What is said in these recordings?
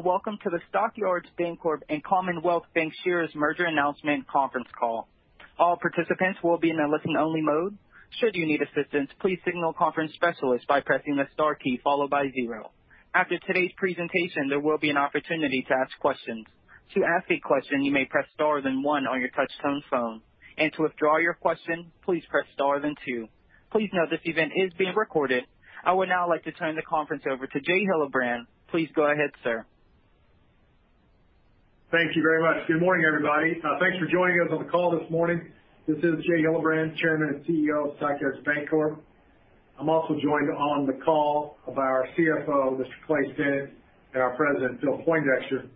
Welcome to the Stock Yards Bancorp and Commonwealth Bankshares merger announcement conference call. All participants will be on listen-only mode. Should you need assistance please signal the conference specialist by pressing star key followed by zero. After today's presentation there will be opportunity to ask questions. To ask a question you may press star then when on your touch-tone phone, and to withdraw your question please press star then two. Please note this event is being recorded. I would now like to turn the conference over to Jay Hillebrand. Please go ahead, sir. Thank you very much. Good morning, everybody. Thanks for joining us on the call this morning. This is Jay Hillebrand, Chairman and CEO of Stock Yards Bancorp. I am also joined on the call by our CFO, Mr. Clay Stinnett, and our President, Phil Poindexter.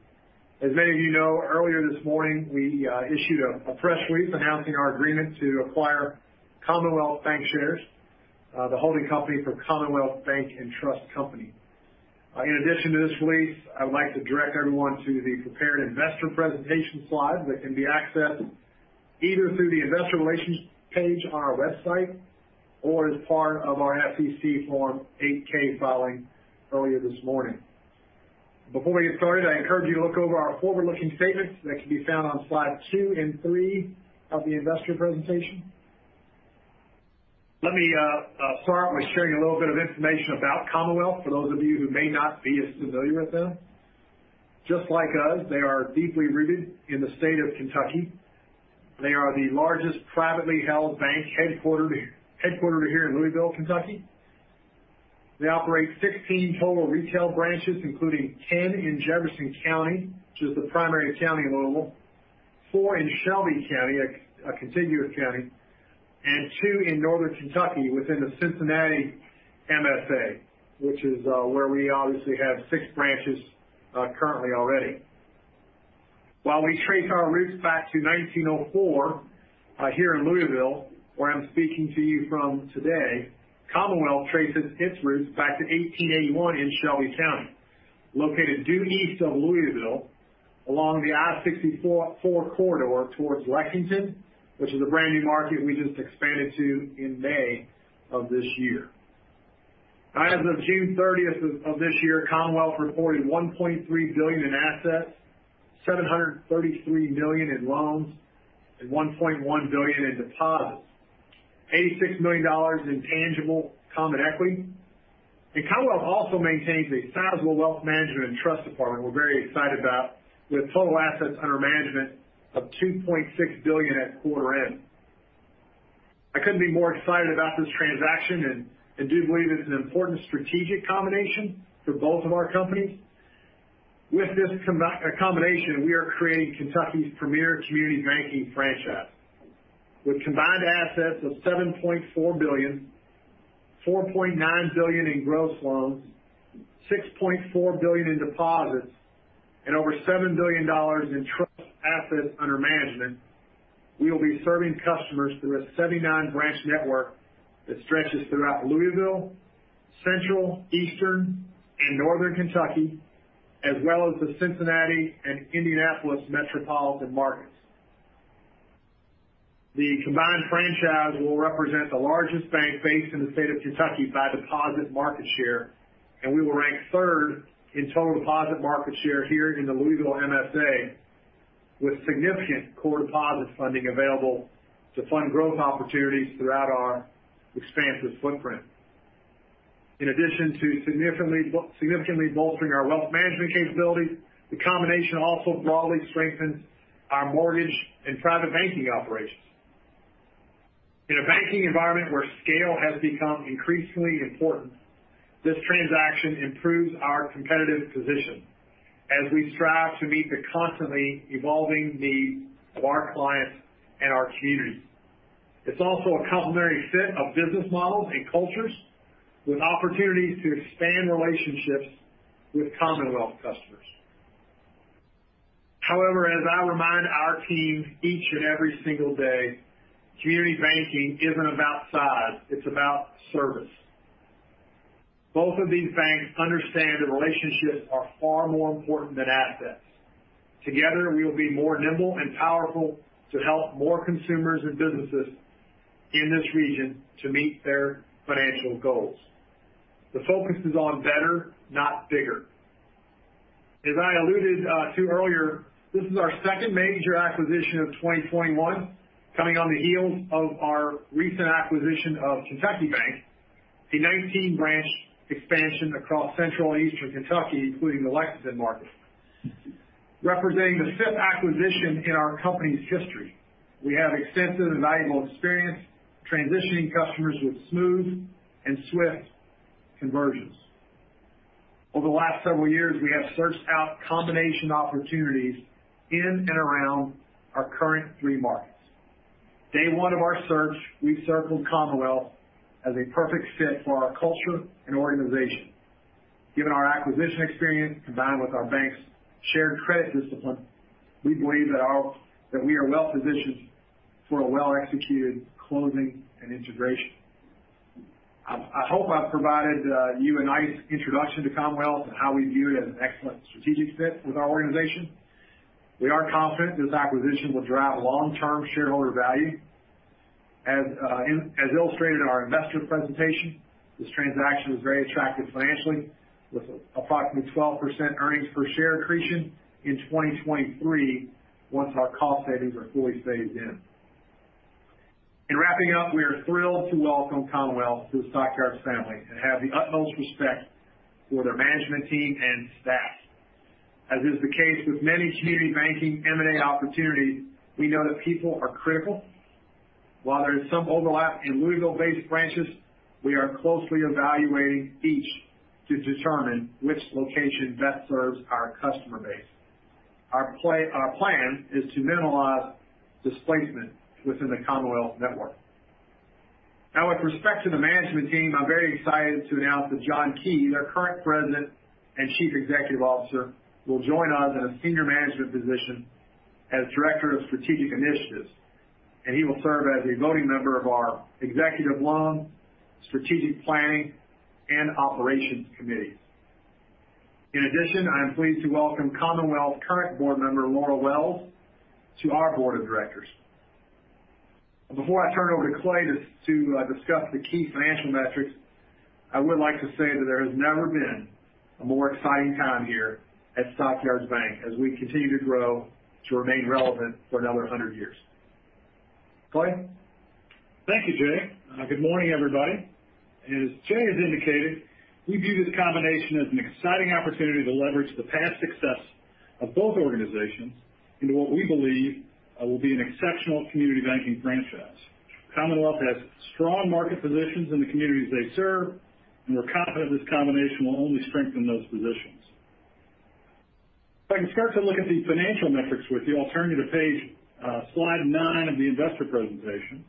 As many of you know, earlier this morning, we issued a press release announcing our agreement to acquire Commonwealth Bankshares, the holding company for Commonwealth Bank & Trust Company. In addition to this release, I would like to direct everyone to the prepared investor presentation slides that can be accessed either through the investor relations page on our website or as part of our SEC Form 8-K filing earlier this morning. Before we get started, I encourage you to look over our forward-looking statements that can be found on slide two and three of the investor presentation. Let me start by sharing a little bit of information about Commonwealth, for those of you who may not be as familiar with them. Just like us, they are deeply rooted in the state of Kentucky. They are the largest privately held bank headquartered here in Louisville, Kentucky. They operate 16 total retail branches, including 10 in Jefferson County, which is the primary county in Louisville, four in Shelby County, a contiguous county, and two in Northern Kentucky within the Cincinnati MSA, which is where we obviously have six branches currently already. While we trace our roots back to 1904 here in Louisville, where I'm speaking to you from today, Commonwealth traces its roots back to 1881 in Shelby County, located due east of Louisville along the I-64 corridor towards Lexington, which is a brand new market we just expanded to in May of this year. As of June 30th of this year, Commonwealth reported $1.3 billion in assets, $733 million in loans, and $1.1 billion in deposits, $86 million in tangible common equity. Commonwealth also maintains a sizable wealth management and trust department we're very excited about, with total assets under management of $2.6 billion at quarter end. I couldn't be more excited about this transaction, and do believe it's an important strategic combination for both of our companies. With this combination, we are creating Kentucky's premier community banking franchise. With combined assets of $7.4 billion, $4.9 billion in gross loans, $6.4 billion in deposits, and over $7 billion in trust assets under management, we will be serving customers through a 79 branch network that stretches throughout Louisville, Central, Eastern, and Northern Kentucky, as well as the Cincinnati and Indianapolis metropolitan markets. The combined franchise will represent the largest bank based in the state of Kentucky by deposit market share, and we will rank third in total deposit market share here in the Louisville MSA, with significant core deposit funding available to fund growth opportunities throughout our expansive footprint. In addition to significantly bolstering our wealth management capabilities, the combination also broadly strengthens our mortgage and private banking operations. In a banking environment where scale has become increasingly important, this transaction improves our competitive position as we strive to meet the constantly evolving needs of our clients and our communities. It's also a complementary fit of business models and cultures with opportunities to expand relationships with Commonwealth customers. However, as I remind our team each and every single day, community banking isn't about size, it's about service. Both of these banks understand that relationships are far more important than assets. Together, we will be more nimble and powerful to help more consumers and businesses in this region to meet their financial goals. The focus is on better, not bigger. As I alluded to earlier, this is our second major acquisition of 2021, coming on the heels of our recent acquisition of Kentucky Bank, a 19-branch expansion across Central and Eastern Kentucky, including the Lexington market. Representing the fifth acquisition in our company's history, we have extensive and valuable experience transitioning customers with smooth and swift conversions. Over the last several years, we have searched out combination opportunities in and around our current three markets. Day one of our search, we circled Commonwealth as a perfect fit for our culture and organization. Given our acquisition experience, combined with our banks' shared credit discipline, we believe that we are well positioned for a well-executed closing and integration. I hope I've provided you a nice introduction to Commonwealth and how we view it as an excellent strategic fit with our organization. We are confident this acquisition will drive long-term shareholder value. As illustrated in our investor presentation, this transaction was very attractive financially with approximately 12% earnings per share accretion in 2023 once our cost savings are fully phased in. In wrapping up, we are thrilled to welcome Commonwealth to the Stock Yards family and have the utmost respect for their management team and staff. As is the case with many community banking M&A opportunities, we know that people are critical. While there is some overlap in Louisville-based branches, we are closely evaluating each to determine which location best serves our customer base. Our plan is to minimize displacement within the Commonwealth network. Now, with respect to the management team, I'm very excited to announce that John Key, their current President and Chief Executive Officer, will join us in a senior management position as Director of Strategic Initiatives, and he will serve as a voting member of our Executive Loan, Strategic Planning, and Operations Committees. In addition, I am pleased to welcome Commonwealth's current Board Member, Laura Wells, to our Board of Directors. Before I turn it over to Clay to discuss the key financial metrics, I would like to say that there has never been a more exciting time here at Stock Yards Bank as we continue to grow to remain relevant for another 100 years. Clay? Thank you, Jay. Good morning, everybody. As Jay has indicated, we view this combination as an exciting opportunity to leverage the past success of both organizations into what we believe will be an exceptional community banking franchise. Commonwealth has strong market positions in the communities they serve, and we're confident this combination will only strengthen those positions. If I can start to look at the financial metrics with you, I'll turn you to slide nine of the investor presentation.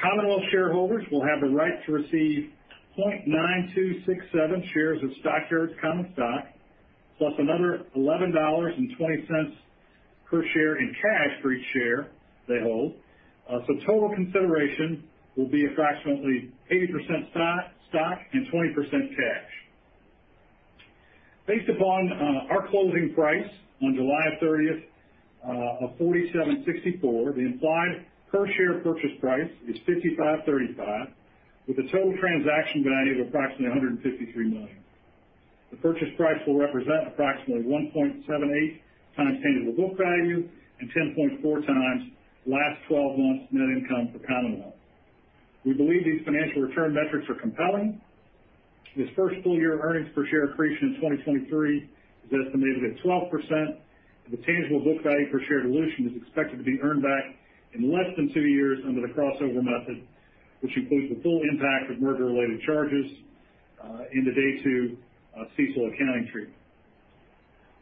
Commonwealth shareholders will have the right to receive 0.9267 shares of Stock Yards common stock, plus another $11.20 per share in cash for each share they hold. Total consideration will be approximately 80% stock and 20% cash. Based upon our closing price on July 30th of $47.64, the implied per share purchase price is $55.35, with a total transaction value of approximately $153 million. The purchase price will represent approximately 1.78x tangible book value and 10.4x last 12 months net income for Commonwealth. We believe these financial return metrics are compelling. This first full year of earnings per share accretion in 2023 is estimated at 12%, and the tangible book value per share dilution is expected to be earned back in less than two years under the crossover method, which includes the full impact of merger-related charges in the day two CECL accounting treatment.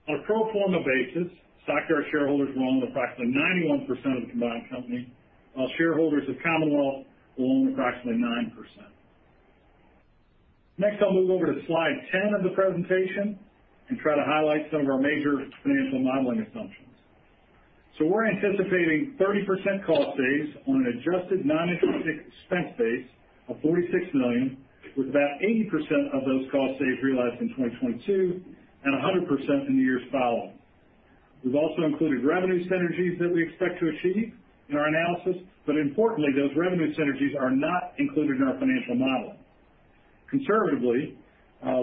On a pro forma basis, Stock Yards shareholders will own approximately 91% of the combined company, while shareholders of Commonwealth will own approximately 9%. Next, I'll move over to slide 10 of the presentation and try to highlight some of our major financial modeling assumptions. We're anticipating 30% cost saves on an adjusted non-interest expense base of $46 million, with about 80% of those cost saves realized in 2022 and 100% in the years following. We've also included revenue synergies that we expect to achieve in our analysis. Importantly, those revenue synergies are not included in our financial model. Conservatively,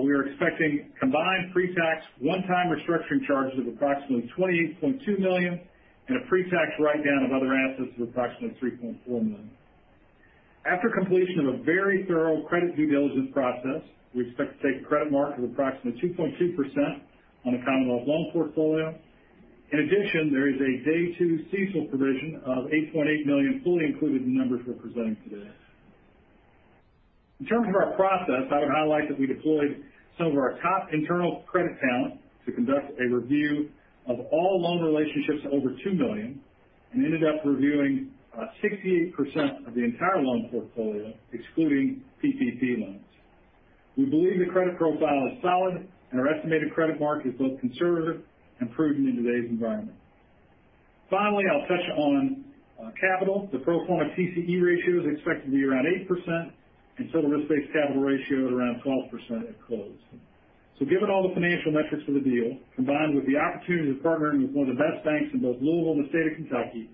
we are expecting combined pre-tax one-time restructuring charges of approximately $28.2 million and a pre-tax write-down of other assets of approximately $3.4 million. After completion of a very thorough credit due diligence process, we expect to take a credit mark of approximately 2.2% on the Commonwealth loan portfolio. In addition, there is a day two CECL provision of $8.8 million fully included in the numbers we're presenting today. In terms of our process, I would highlight that we deployed some of our top internal credit talent to conduct a review of all loan relationships over $2 million and ended up reviewing 68% of the entire loan portfolio, excluding PPP loans. We believe the credit profile is solid and our estimated credit mark is both conservative and prudent in today's environment. Finally, I'll touch on capital. The pro forma TCE ratio is expected to be around 8% and total risk-based capital ratio at around 12% at close. Given all the financial metrics for the deal, combined with the opportunity to partner with one of the best banks in both Louisville and the state of Kentucky,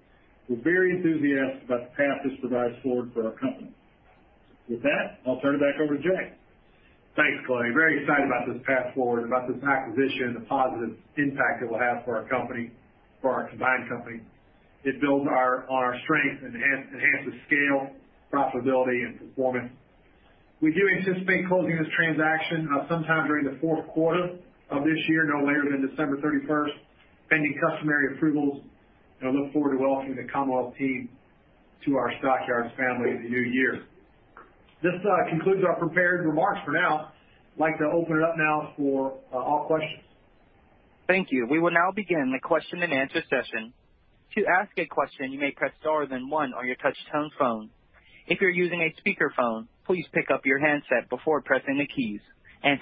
we're very enthusiastic about the path this provides forward for our company. With that, I'll turn it back over to Jay. Thanks, Clay. Very excited about this path forward, about this acquisition, the positive impact it will have for our company, for our combined company. It builds on our strength and enhances scale, profitability, and performance. We do anticipate closing this transaction sometime during the fourth quarter of this year, no later than December 31st, pending customary approvals, and I look forward to welcoming the Commonwealth team to our Stock Yards family in the new year. This concludes our prepared remarks for now. I'd like to open it up now for all questions. Thank you. We will now begin the question-and-answer session. To ask a question, you may press star then one on your touch-tone phone. If you're using a speakerphone, please pick up your handset before pressing the keys.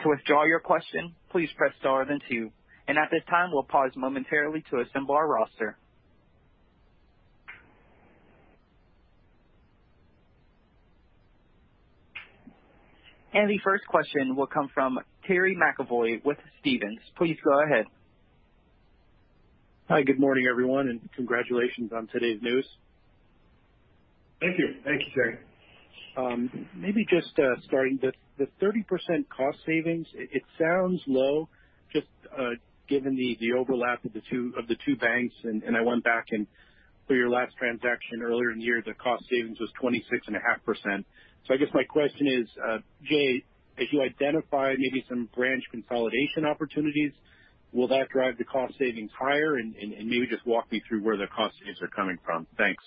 To withdraw your question, please press star then two. At this time, we'll pause momentarily to assemble our roster. The first question will come from Terry McEvoy with Stephens. Please go ahead. Hi. Good morning, everyone, and congratulations on today's news. Thank you. Thank you, Terry. Maybe just starting, the 30% cost savings, it sounds low, just given the overlap of the two banks. I went back, and for your last transaction earlier in the year, the cost savings was 26.5%. I guess my question is, Jay, as you identify maybe some branch consolidation opportunities, will that drive the cost savings higher? Maybe just walk me through where the cost savings are coming from. Thanks.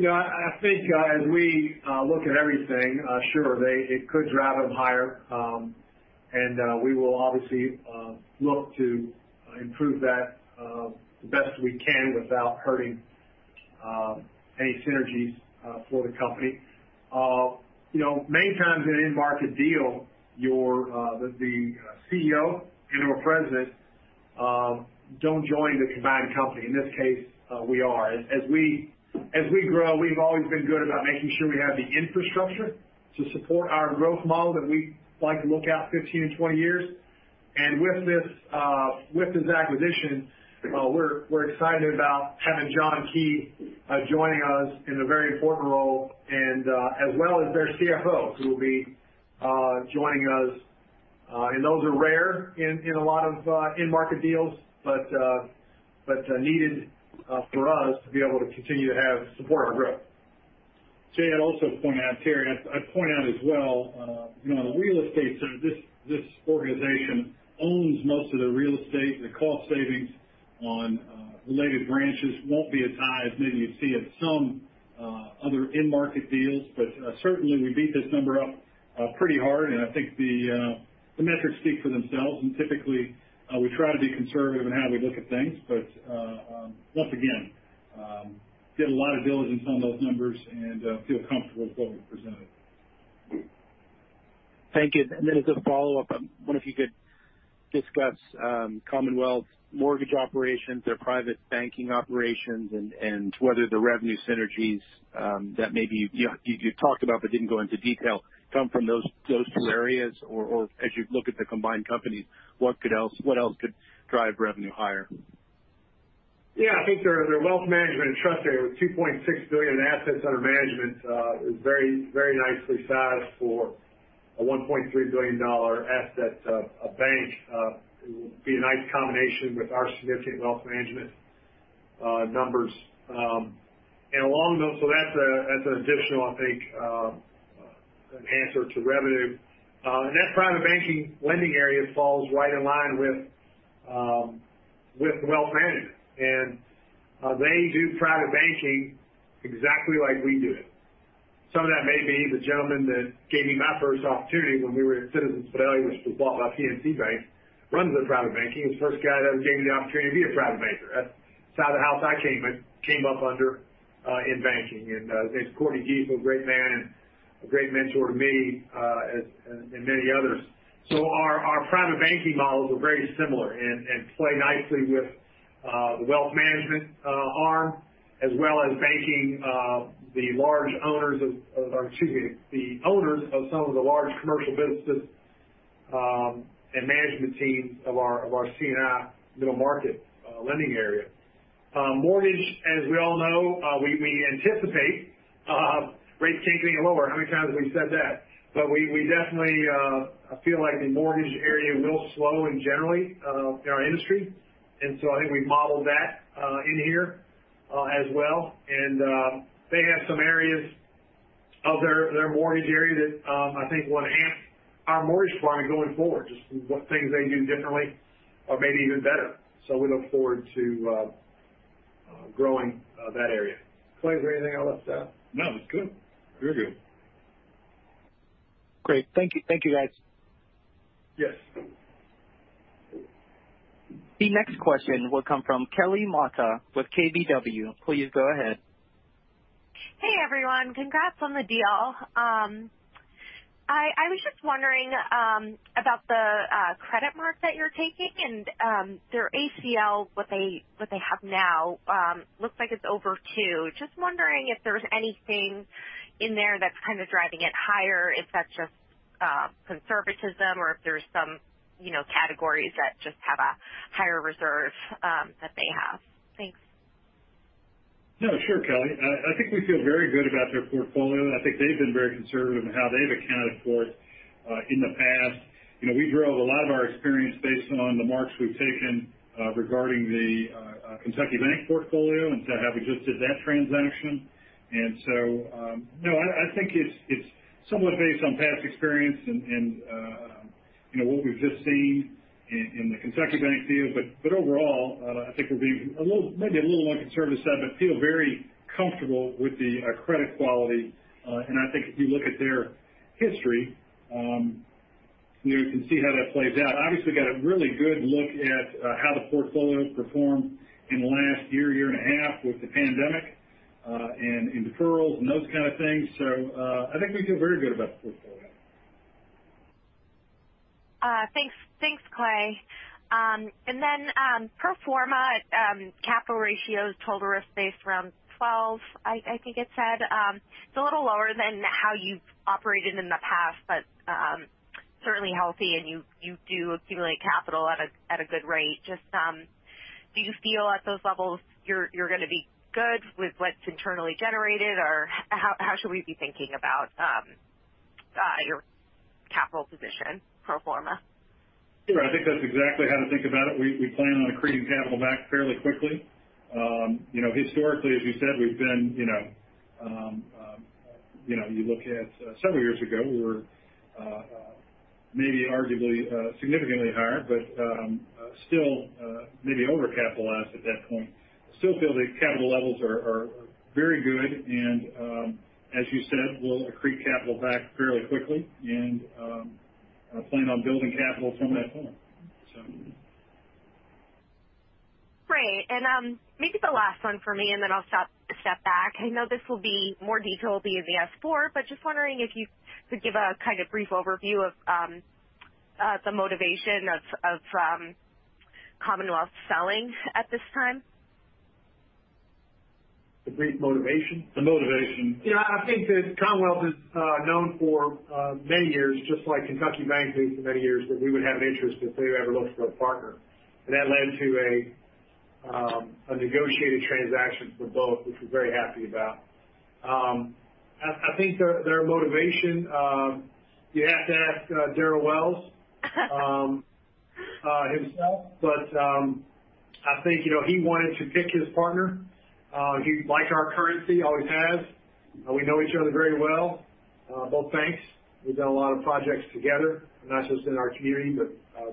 Yeah, I think as we look at everything, sure, it could drive them higher. We will obviously look to improve that the best we can without hurting any synergies for the company. Many times in an in-market deal, the CEO and/or President don't join the combined company. In this case, we are. As we grow, we've always been good about making sure we have the infrastructure to support our growth model that we like to look out 15-20 years. With this acquisition, we're excited about having John Key joining us in a very important role, as well as their CFO, who will be joining us. Those are rare in a lot of in-market deals, but needed for us to be able to continue to support our growth. Jay, I'd also point out, Terry, I'd point out as well, on the real estate side, this organization owns most of their real estate. The cost savings on related branches won't be as high as maybe you'd see in some other in-market deals. Certainly, we beat this number up pretty hard, and I think the metrics speak for themselves. Typically, we try to be conservative in how we look at things, but once again, did a lot of diligence on those numbers and feel comfortable with what we've presented. Thank you. As a follow-up, I wonder if you could discuss Commonwealth's mortgage operations, their private banking operations, and whether the revenue synergies that maybe you talked about but didn't go into detail, come from those two areas? Or as you look at the combined companies, what else could drive revenue higher? I think their wealth management and trust area, with $2.6 billion in assets under management, is very nicely sized for a $1.3 billion asset bank. It will be a nice combination with our significant wealth management numbers. That's an additional, I think, enhancer to revenue. That private banking lending area falls right in line with wealth management. They do private banking exactly like we do it. Some of that may be the gentleman that gave me my first opportunity when we were at Citizens Fidelity, which was bought by PNC Bank, runs their private banking. He's the first guy that ever gave me the opportunity to be a private banker. That's the side of the house I came up under in banking. His name's [Courty Gies]. A great man and a great mentor to me and many others. Our private banking models are very similar and play nicely with the wealth management arm, as well as banking the owners of some of the large commercial businesses and management teams of our C&I middle market lending area. Mortgage, as we all know, we anticipate rates continuing lower. How many times have we said that? We definitely feel like the mortgage area will slow in generally our industry. I think we've modeled that in here as well. They have some areas of their mortgage area that I think will enhance our mortgage product going forward, just what things they do differently or maybe even better. We look forward to growing that area. Clay, is there anything I left out? No, it was good. You're good. Great. Thank you, guys. Yes. The next question will come from Kelly Motta with KBW. Please go ahead. Hey, everyone. Congrats on the deal. I was just wondering about the credit mark that you're taking and their ACL, what they have now. Looks like it is over two. Just wondering if there is anything in there that is kind of driving it higher, if that is just conservatism or if there are some categories that just have a higher reserve that they have. Thanks. No, sure, Kelly. I think we feel very good about their portfolio, and I think they've been very conservative in how they've accounted for it in the past. We drove a lot of our experience based on the marks we've taken regarding the Kentucky Bank portfolio and have exited that transaction. No, I think it's somewhat based on past experience and what we've just seen in the Kentucky Bank deal. Overall, I think we'll be maybe a little more conservative side, but feel very comfortable with the credit quality. I think if you look at their history, you can see how that plays out. Obviously, we got a really good look at how the portfolio has performed in the last year and a half with the pandemic, and in deferrals and those kind of things. I think we feel very good about the portfolio. Thanks, Clay. pro forma capital ratios, total risk-base around 12, I think it said. It's a little lower than how you've operated in the past, but certainly healthy, and you do accumulate capital at a good rate. Just do you feel at those levels you're going to be good with what's internally generated? how should we be thinking about your capital position pro forma? Sure. I think that's exactly how to think about it. We plan on accreting capital back fairly quickly. Historically, as you said, you look at several years ago, we were maybe arguably significantly higher, but still maybe over-capitalized at that point. Still feel the capital levels are very good and, as you said, we'll accrete capital back fairly quickly and plan on building capital from that point. Great. Maybe the last one for me, and then I'll step back. I know more detail will be in the S-4, just wondering if you could give a kind of brief overview of the motivation of Commonwealth selling at this time. The brief motivation? The motivation. I think that Commonwealth is known for many years, just like Kentucky Bank has been for many years, that we would have an interest if they ever looked for a partner. That led to a negotiated transaction for both, which we're very happy about. I think their motivation, you'd have to ask Darrell Wells himself. I think he wanted to pick his partner. He liked our currency, always has. We know each other very well, both banks. We've done a lot of projects together, not just in our community, but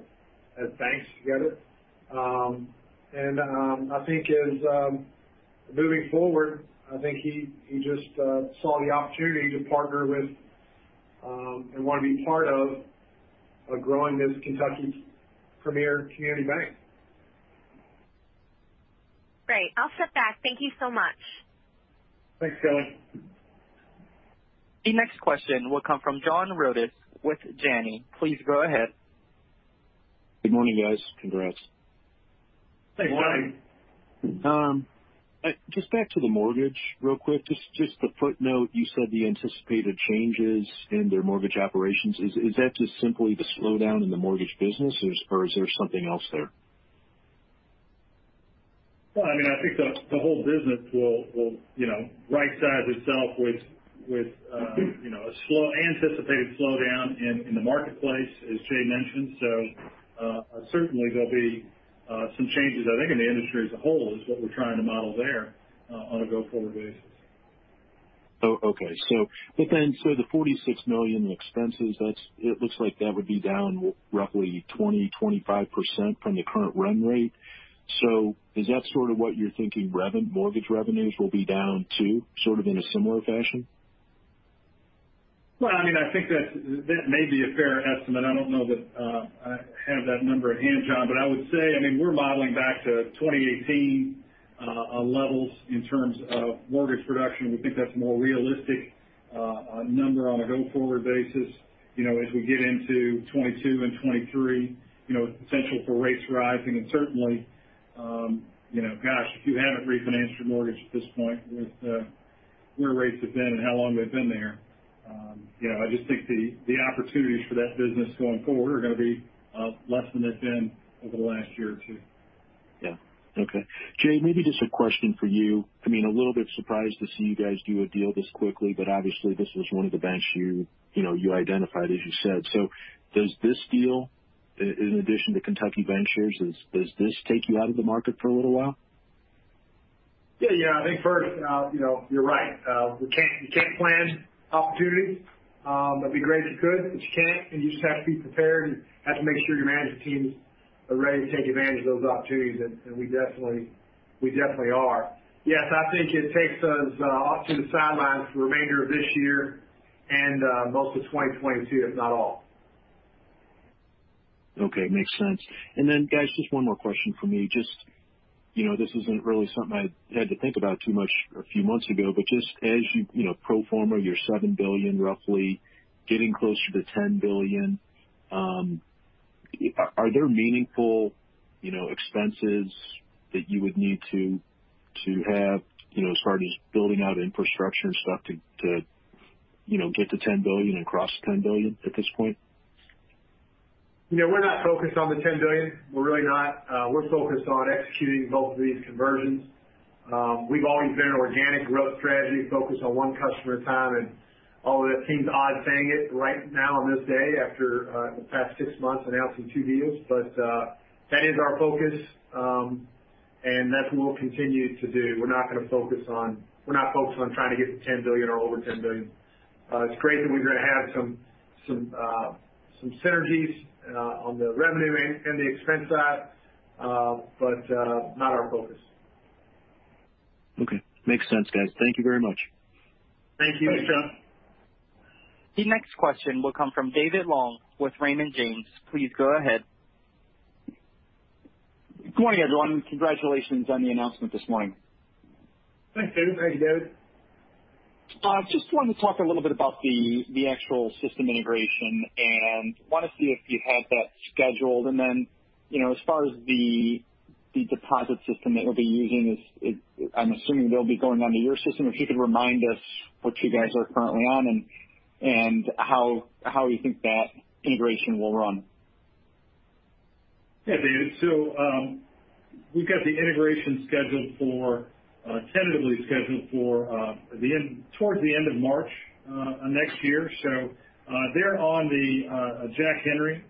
as banks together. Moving forward, I think he just saw the opportunity to partner with and want to be part of growing this Kentucky premier community bank. Great. I'll step back. Thank you so much. Thanks, Kelly. The next question will come from John Rodis with Janney. Please go ahead. Good morning, guys. Congrats. Good morning. Good morning. Just back to the mortgage real quick. Just a footnote, you said the anticipated changes in their mortgage operations. Is that just simply the slowdown in the mortgage business, or is there something else there? Well, I think the whole business will rightsize itself with anticipated slowdown in the marketplace, as Jay mentioned. Certainly, there'll be some changes, I think, in the industry as a whole, is what we're trying to model there on a go-forward basis. Okay. The $46 million in expenses, it looks like that would be down roughly 20%-25% from the current run rate. Is that sort of what you're thinking mortgage revenues will be down too, sort of in a similar fashion? Well, I think that may be a fair estimate. I don't know that I have that number at hand, John. I would say, we're modeling back to 2018 levels in terms of mortgage production. We think that's a more realistic number on a go-forward basis as we get into 2022 and 2023, potential for rates rising and certainly, gosh, if you haven't refinanced your mortgage at this point with where rates have been and how long they've been there. I just think the opportunities for that business going forward are going to be less than they've been over the last year or two. Yeah. Okay. Jay, maybe just a question for you. I'm a little bit surprised to see you guys do a deal this quickly, but obviously this is one of the banks you identified, as you said. Does this deal, in addition to Kentucky Bank, does this take you out of the market for a little while? Yeah. I think first, you're right. You can't plan opportunities. It'd be great if you could, but you can't, and you just have to be prepared and have to make sure your management teams are ready to take advantage of those opportunities, and we definitely are. Yes, I think it takes us off to the sidelines for the remainder of this year and most of 2022, if not all. Okay. Makes sense. Guys, just one more question from me. This isn't really something I had to think about too much a few months ago, but just as you pro forma your $7 billion, roughly, getting closer to $10 billion, are there meaningful expenses that you would need to have as far as building out infrastructure and stuff to get to $10 billion and cross $10 billion at this point? We're not focused on the $10 billion. We're really not. We're focused on executing both of these conversions. We've always been an organic growth strategy focused on one customer at a time, and although that seems odd saying it right now on this day after the past six months announcing two deals. That is our focus, and that's what we'll continue to do. We're not focused on trying to get to $10 billion or over $10 billion. It's great that we're going to have some synergies on the revenue and the expense side, but not our focus. Okay. Makes sense, guys. Thank you very much. Thank you, John. Thanks. The next question will come from David Long with Raymond James. Please go ahead. Good morning, everyone. Congratulations on the announcement this morning. Thanks, David. How are you, David? Wanted to talk a little bit about the actual system integration and want to see if you have that scheduled. As far as the deposit system that you'll be using, I'm assuming they'll be going onto your system. If you could remind us what you guys are currently on and how you think that integration will run. Yeah, David. We've got the integration tentatively scheduled for towards the end of March next year. They're on the Jack Henry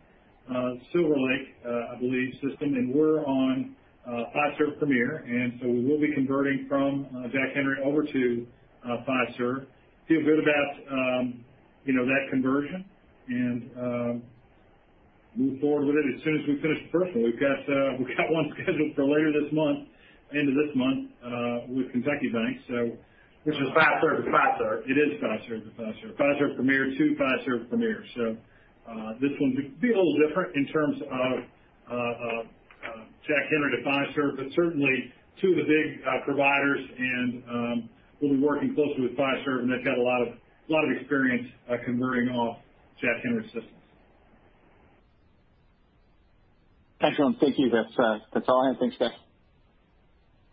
SilverLake, I believe, system. We're on Fiserv Premier. We will be converting from Jack Henry over to Fiserv. Feel good about that conversion and move forward with it as soon as we finish the first one. We've got one scheduled for later this month, end of this month, with Kentucky Bank. Which is Fiserv to Fiserv. It is Fiserv to Fiserv. Fiserv Premier to Fiserv Premier. This one will be a little different in terms of Jack Henry to Fiserv, but certainly two of the big providers and we'll be working closely with Fiserv, and they've got a lot of experience converting off Jack Henry systems. Excellent. Thank you. That's all I have. Thanks,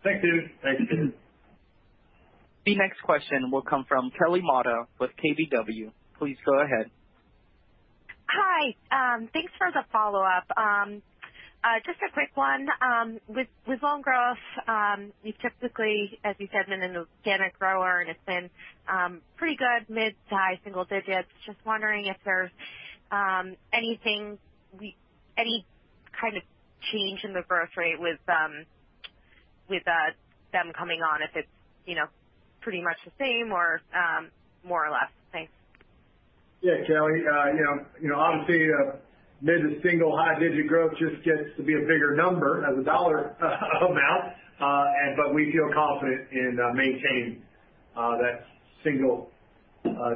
guys. Thanks, David. Thanks. The next question will come from Kelly Motta with KBW. Please go ahead. Hi. Thanks for the follow-up. Just a quick one. With loan growth, you typically, as you said, have been an organic grower, and it's been pretty good, mid to high single digits. Just wondering if there's any kind of change in the growth rate with them coming on, if it's pretty much the same or more or less? Thanks. Yeah, Kelly. Obviously, mid-single, high-digit growth just gets to be a bigger number as a dollar amount. We feel confident in maintaining that single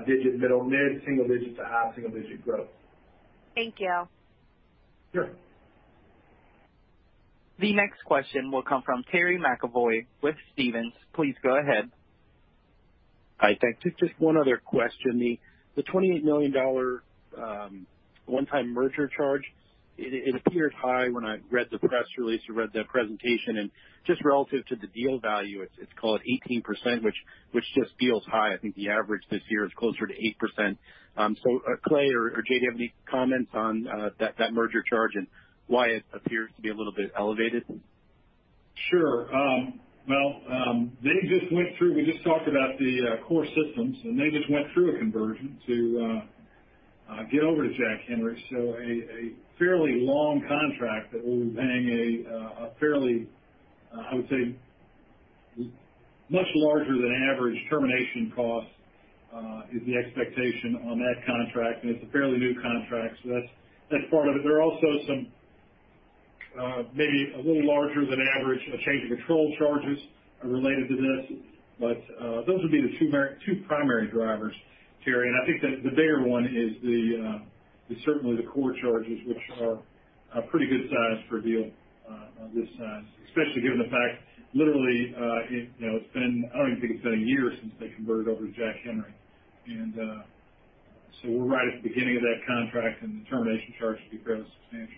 digit, middle mid-single digit to high single-digit growth. Thank you. Sure. The next question will come from Terry McEvoy with Stephens. Please go ahead. Hi, thanks. Just one other question. The $28 million one-time merger charge, it appeared high when I read the press release or read the presentation and just relative to the deal value, it's called 18%, which just feels high. I think the average this year is closer to 8%. Clay or Jay, do you have any comments on that merger charge and why it appears to be a little bit elevated? Sure. We just talked about the core systems, and they just went through a conversion to get over to Jack Henry. A fairly long contract that we'll be paying a fairly, I would say, much larger than average termination cost is the expectation on that contract, and it's a fairly new contract, that's part of it. There are also some maybe a little larger than average change of control charges related to this. Those would be the two primary drivers, Terry, and I think that the bigger one is certainly the core charges which are a pretty good size for a deal of this size, especially given the fact literally, I don't even think it's been a year since they converted over to Jack Henry. We're right at the beginning of that contract, and the termination charge should be fairly substantial.